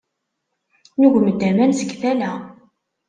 Nugem-d aman seg tala.